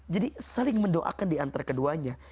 jadi saling mendoakan diantara keduanya